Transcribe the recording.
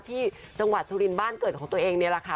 ที่จังหวัดสุรินทร์บ้านเกิดของตัวเองนี่แหละค่ะ